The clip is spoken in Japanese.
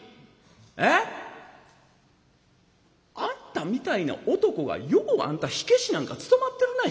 ええ？あんたみたいな男がようあんた火消しなんか務まってるな。